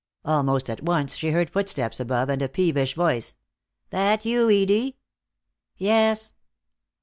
Almost at once she heard footsteps above, and a peevish voice. "That you, Edie?" "Yes."